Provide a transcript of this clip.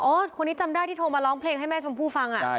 โอ้ครูรซิจำได้ที่โทรมาร้องเพลงให้แม่ชมพู่ฟังอ่ะ